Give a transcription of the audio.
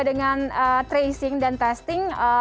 dengan tracing dan testing